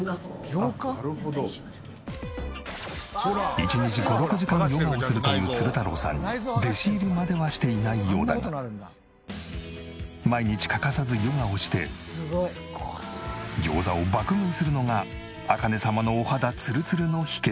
一日５６時間ヨガをするという鶴太郎さんに弟子入りまではしていないようだが毎日欠かさずヨガをして餃子を爆食いするのが茜様のお肌ツルツルの秘訣。